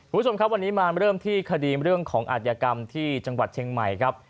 คุณผู้ชมครับวันนี้มาเริ่มที่คดีเรื่องของอาธิกรรมที่จังหวัดเชียงใหม่ครับ